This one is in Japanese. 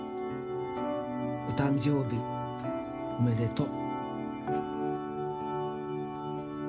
お誕生日おめでと。